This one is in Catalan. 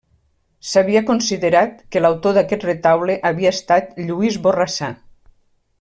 S'havia considerat que l'autor d'aquest retaule havia estat Lluís Borrassà.